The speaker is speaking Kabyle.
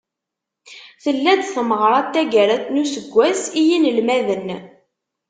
Tella-d tmeɣra n taggara n useggas i yinelmaden.